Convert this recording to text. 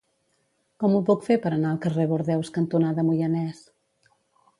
Com ho puc fer per anar al carrer Bordeus cantonada Moianès?